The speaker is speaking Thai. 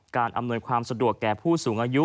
อำนวยความสะดวกแก่ผู้สูงอายุ